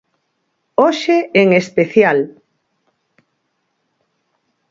Hoxe en especial.